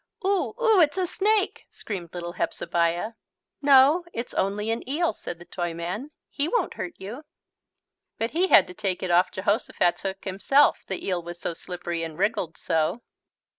"Oo, oo, it's a snake," screamed little Hepzebiah. "No, it's only an eel," said the Toyman, "he won't hurt you." But he had to take it off Jehosophat's hook himself, the eel was so slippery and wriggled so.